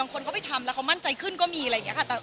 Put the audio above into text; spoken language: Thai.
คนเขาไปทำแล้วเขามั่นใจขึ้นก็มีอะไรอย่างนี้ค่ะ